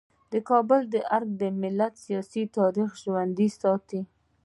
د کابل ارګ د ملت سیاسي تاریخ ژوندی ساتي.